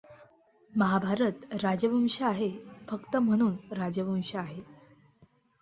महाभारत राजवंश आहे फक्त म्हणून, राजवंश आहे.